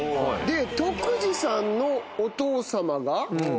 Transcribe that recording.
で篤二さんのお父様が。